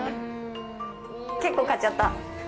結構買っちゃった。